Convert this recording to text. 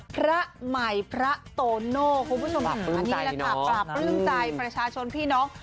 พระใหม่พระโตโนคุณผู้ชมปราบปื้มใจประชาชนพี่น้อง